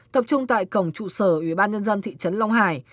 tập trung tại cổng trụ sở ủy ban nhân dân thị trấn long hải